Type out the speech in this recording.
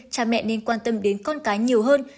cha mẹ nên quan tâm đến con cái nhiều hơn